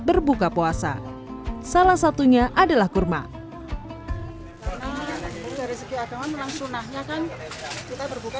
berbuka puasa salah satunya adalah kurma karena berisik agama menangsunahnya kan kita berbuka